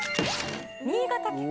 新潟県